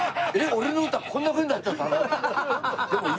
俺の歌こんなふうになっちゃったの？